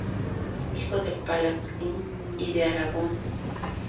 Hijo de Palacín I de Alagón, contrajo matrimonio con Toda Romeo.